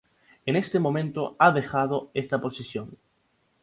En este momento ha dejado esta posición.